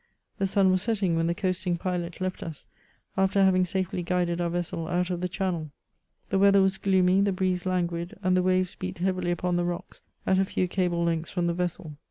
The sun was setting when the coasting pilot left us, after having safely guided our vessel out of the channel. The weather was gloomy, the breeze languid, and the waves beat hearily upon the ro<^ at a few cable lengths from the vessel.